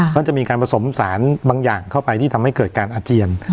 ก็จะมีการผสมสารบางอย่างเข้าไปที่ทำให้เกิดการอาเจียน